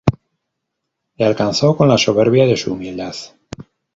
Le alcanzó con la soberbia de su humildad.